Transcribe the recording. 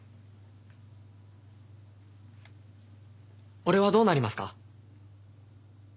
俺はどうなりますか？